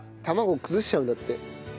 卵崩しちゃうんだって。